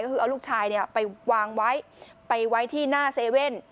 ก็คือเอาลูกชายไปวางไว้ไปไว้ที่หน้าเซเว่น